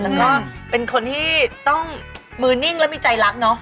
แล้วก็เป็นคนที่ต้องมือนิ่งแล้วมีใจรักเนาะ